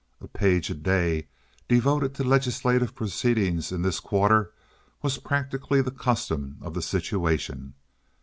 A page a day devoted to legislative proceeding in this quarter was practically the custom of the situation.